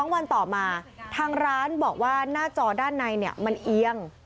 วันต่อมาทางร้านบอกว่าหน้าจอด้านในมันเอียง